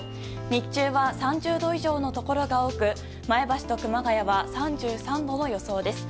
日中は３０度以上のところが多く前橋と熊谷は３３度の予想です。